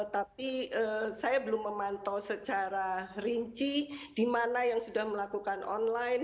tapi saya belum memantau secara rinci di mana yang sudah melakukan online